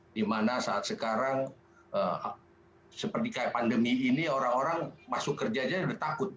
dimana saat sekarang seperti kayak pandemi ini orang orang masuk kerja aja udah takut